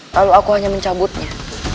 lalu aku hanya mencabutnya